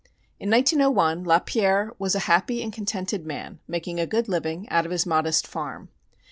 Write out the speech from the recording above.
In 1901 Lapierre was a happy and contented man, making a good living out of his modest farm.